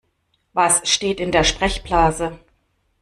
Was steht in der Sprechblase?